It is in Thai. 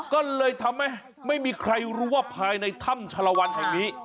ก็เลยทำให้ไม่มีใครรู้ว่าภายในถ้ำชะละวันแห่งนี้